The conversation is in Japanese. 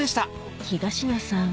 東野さん